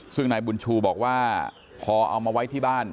ซึ่งนายบุญชูบอกว่าพอเอามาไว้ที่บ้าน